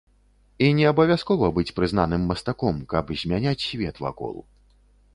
І не абавязкова быць прызнаным мастаком, каб змяняць свет вакол.